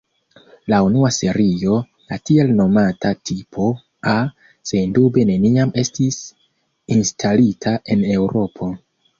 La unua serio, la tiel nomata "Tipo" "A", sendube neniam estis instalita en Eŭropo.